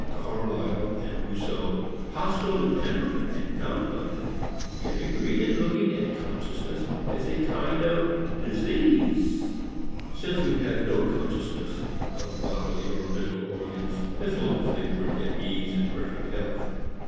Carlyle and Rousseau, hostile in temperament and outlook, yet agree in looking at consciousness as a kind of disease, since we have no consciousness of bodily or mental organs as long as they work at ease in perfect health.